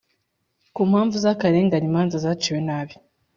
ku mpamvu z akarengane imanza zaciwe nabi